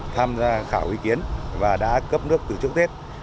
tham gia khảo ý kiến và đã cấp nước từ trước tết